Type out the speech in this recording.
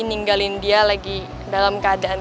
ninggalin dia lagi dalam keadaan